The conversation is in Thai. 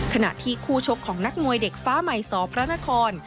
ขณะที่คู่ชกของนักมวยเด็กฟ้าใหม่สอพระนคร